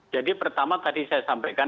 jadi pertama tadi saya sampaikan